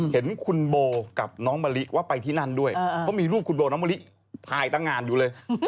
เห็นคุณโบกับน้องมะลิว่าไปที่นั่นด้วยเพราะมีรูปคุณโบน้องมะลิถ่ายตั้งงานอยู่เลย